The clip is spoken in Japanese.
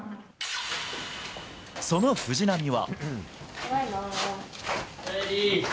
その藤波は。